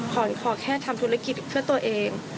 ขอแค่ทำธุรกิจเพื่อตัวเอง